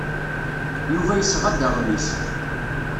Yuba yesɣa-d aɣmis.